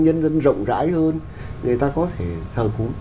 nhân dân rộng rãi hơn người ta có thể thờ cúng